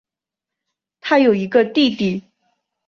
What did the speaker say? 她有一个弟弟。